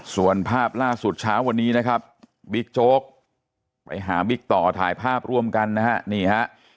ส่วนภาพล่าสุดเช้าวันนี้นะครับบิ๊กโจ๊กไปหาบิ๊กต่อถ่ายภาพร่วมกันนะฮะนี่ฮะ